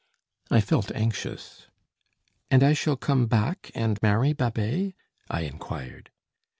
I felt anxious. "And I shall come back and marry Babet?" I inquired.